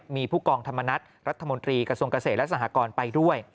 มีผู้กองธรรมนัฐรัฐมนตรีกระทรวงเกษตรและสหกรไปด้วย